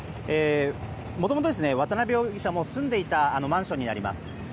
もともと渡邉容疑者も住んでいたマンションになります。